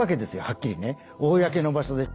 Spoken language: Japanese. はっきりね公の場所で。